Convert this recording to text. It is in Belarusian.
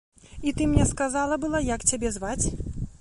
І ты мне сказала была, як цябе зваць.